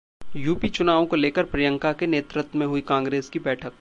UP चुनाव को लेकर प्रियंका के नेतृत्व में हुई कांग्रेस की बैठक